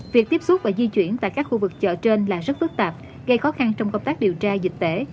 việc tiếp xúc và di chuyển tại các khu vực chợ trên là rất phức tạp gây khó khăn trong công tác điều tra dịch tễ